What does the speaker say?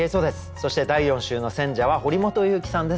そして第４週の選者は堀本裕樹さんです。